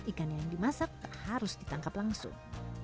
ikan yang dimasak harus ditangkap langsung